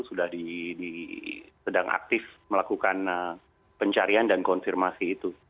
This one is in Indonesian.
sudah sedang aktif melakukan pencarian dan konfirmasi itu